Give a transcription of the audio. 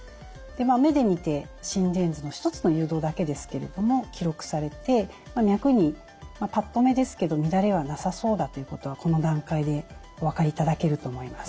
目で見て心電図の１つの誘導だけですけれども記録されて脈にパッと見ですけど乱れはなさそうだということはこの段階でお分かりいただけると思います。